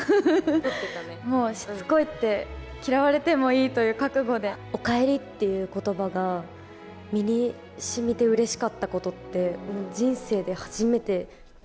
もうしつこいって、嫌われておかえりっていうことばが、身にしみてうれしかったことって、人生で初めて。